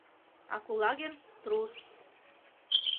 А Кулагин — трус.